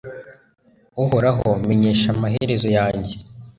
Uhoraho menyesha amaherezo yanjye